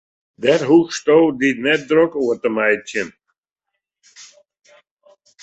Dêr hoechsto dy net drok oer te meitsjen.